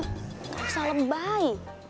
gak usah lebay